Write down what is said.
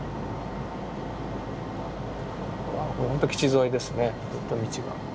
ほんと基地沿いですねずっと道が。